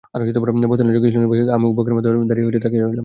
বস্তা নিয়ে যখন কিসলু নামছে, আমিও বকের মতো গলা বাঁড়িয়ে তাকিয়ে রইলাম।